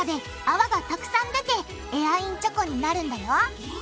わがたくさん出てエアインチョコになるんだよ